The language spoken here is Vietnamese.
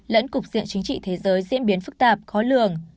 lẫn cục diện chính trị thế giới diễn biến phức tạp khó lường